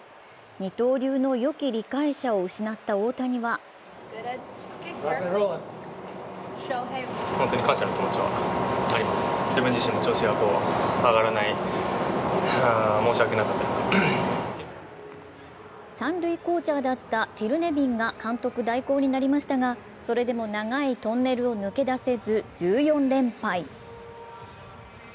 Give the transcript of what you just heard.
二刀流のよき理解者を失った大谷は三塁コーチャーだったフィル・ネビンが監督代行になりましたがそれでも長いトンネルを抜け出せず１４連敗。